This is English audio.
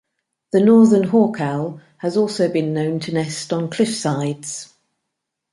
The northern hawk-owl has also been known to nest on cliffsides.